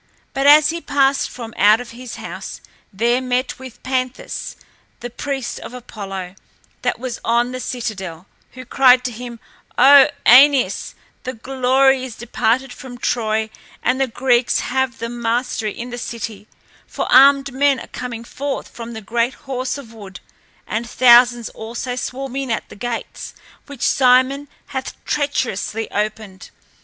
But as he passed from out of his house there met him Panthus, the priest of Apollo that was on the citadel, who cried to him, "O Æneas, the glory is departed from Troy and the Greeks have the mastery in the city; for armed men are coming forth from the great horse of wood and thousands also swarm in at the gates, which Sinon hath treacherously opened."